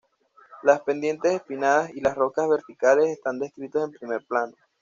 Las pendientes empinadas y las rocas verticales están descritos en primer plano.